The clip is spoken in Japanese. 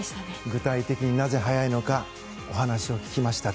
具体的になぜ速いのかお話を聞きました。